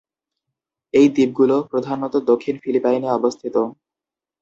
এই দ্বীপগুলো প্রধানত দক্ষিণ ফিলিপাইনে অবস্থিত।